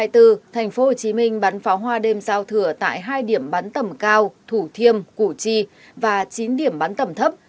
tp hcm bắn pháo hoa đêm giao thừa tại hai điểm bắn tầm cao thủ thiêm củ chi và chín điểm bắn tầm thấp